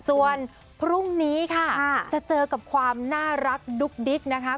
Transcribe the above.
ส่วนพรุ่งนี้ค่ะจะเจอกับความน่ารักดุ๊กดิ๊กนะคะ